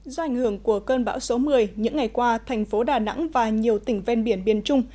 do ảnh hưởng của cơn bão số một mươi những ngày qua thành phố đà nẵng và nhiều tỉnh ven biển biên trung